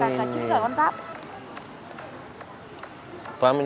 cả chữ cả con tháp